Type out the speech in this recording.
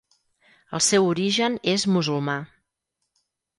El seu origen és musulmà.